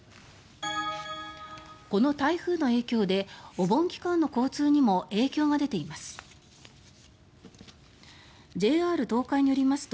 この台風の影響でお盆期間の交通にも影響が出ています。